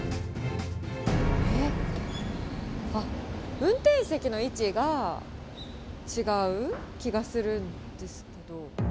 運転席の位置が、違う気がするんですけど。